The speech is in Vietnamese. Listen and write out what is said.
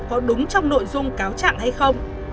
có đúng trong nội dung cáo chặn hay không